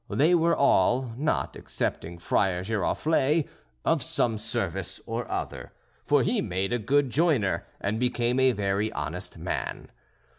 They were all, not excepting Friar Giroflée, of some service or other; for he made a good joiner, and became a very honest man.